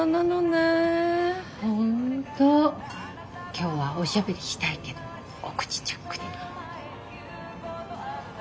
今日はおしゃべりしたいけどお口チャックで。